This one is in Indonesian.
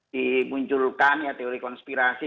dimunculkan ya teori konspirasi